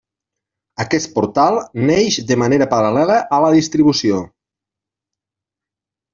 Aquest portal neix de manera paral·lela a la distribució.